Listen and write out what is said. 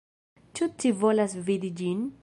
Ĉu ci volas vidi ĝin?